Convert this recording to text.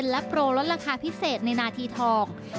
และโปรลดราคาพิเศษในนาทีทอง